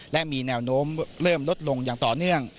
และมีแนวโน้มเริ่มลดลงอย่างต่อเนื่อง